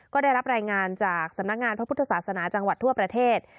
ก็ได้รับรายงานจากสำนักงานพระพุทธศาสนาจังหวัดทั่วประเทศ